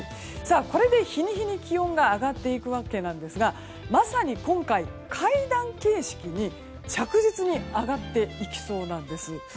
これで日に日に気温が上がっていくわけですがまさに今回階段形式に、着実に上がっていきそうなんです。